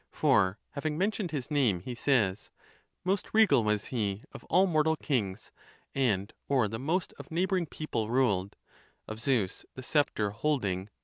For, having mentioned his name, he says, Most regal :was he of all mortal kings, And o'er the most of neighbouring people ruled, Of Zeus the sceptre holding